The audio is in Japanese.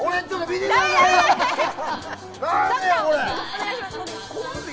お願いします。